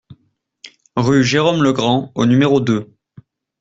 Rue Jérome Legrand au numéro deux